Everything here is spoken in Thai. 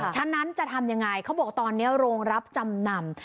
ฉะนั้นจะทำยังไงเขาบอกตอนนี้โรงรับจำนำ